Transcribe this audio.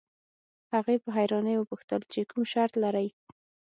هغې په حيرانۍ وپوښتل چې کوم شرط لرئ.